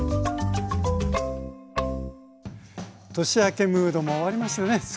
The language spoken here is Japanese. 年明けムードも終わりましてね